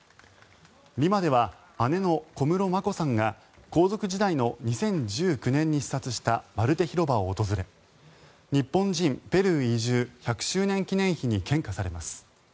リマでは姉の小室眞子さんが皇族時代の２０１９年に視察したマルテ広場を訪れ日本人ペルー移住１００周年記念碑に献花されます。